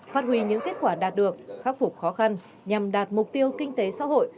phát huy những kết quả đạt được khắc phục khó khăn nhằm đạt mục tiêu kinh tế xã hội